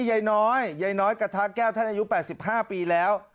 ใยน้อยใยน้อยกะทะแก้วท่านอายุแปดสิบห้าปีแล้ว